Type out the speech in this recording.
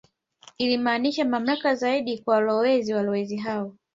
Ilimaanisha mamlaka zaidi kwa walowezi Walowezi hao